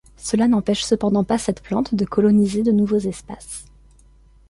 Cela n'empêche cependant pas cette plante de coloniser de nouveaux espaces.